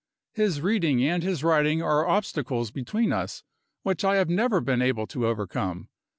His reading and his writing are obstacles between us which I have never been able to overcome.